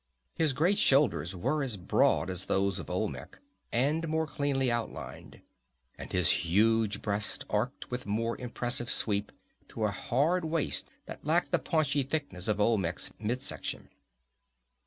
His great shoulders were as broad as those of Olmec, and more cleanly outlined, and his huge breast arched with a more impressive sweep to a hard waist that lacked the paunchy thickness of Olmec's midsection.